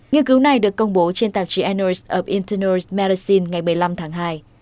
nghiên cứu này được công bố trên tạp chí annals of internal medicine ngày một mươi năm tháng hai